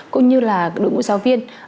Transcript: cũng như là đội ngũ giáo viên